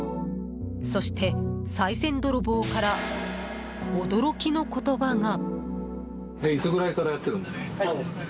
そして、さい銭泥棒から驚きの言葉が。